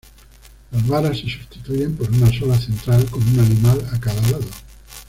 Las varas se sustituyen por una sola central, con un animal a cada lado.